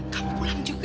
kamu pulang juga